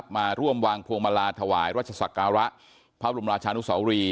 มาร่วมวางพวงมาลาถวายราชศักระพระบรมราชานุสาวรี